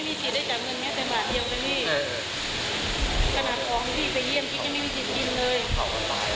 ไม่ใช่หรอกสัญลักษณะตรงนี้ออกมากกว่า